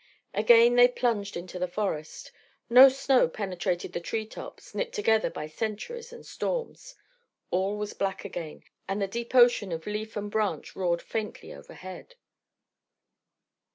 Again they plunged into the forest. No snow penetrated the treetops, knit together by centuries and storms. All was black again, and the deep ocean of leaf and branch roared faintly overhead.